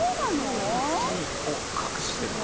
はい・もたつきを隠してるの？